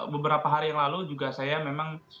beberapa hari yang lalu juga saya memang